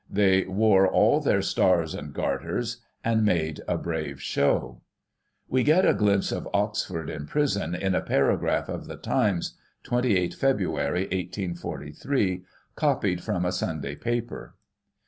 They wore all their stars and garters, and made a brave show. We get a glimpse of Oxford in prison in a paragraph of the Times, 28 Feb., 1843, copied from a Sunday paper.